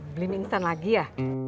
beli minstan lagi ya